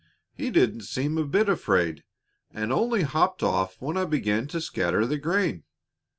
He didn't seem a bit afraid, and only hopped off when I began to scatter the grain."